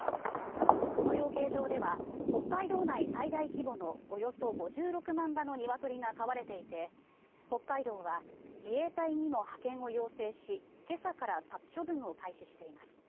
この養鶏場では北海道内最大規模のおよそ５６万羽のニワトリが飼われていて北海道は自衛隊にも派遣を要請し今朝から殺処分を開始しています。